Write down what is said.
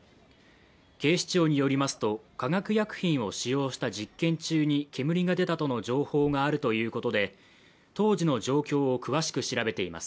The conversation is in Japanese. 警視庁によりますと、化学薬品を使用した実験中に煙が出たとの情報があるということで、当時の状況を詳しく調べています。